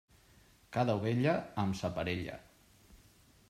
Cada ovella, amb sa parella.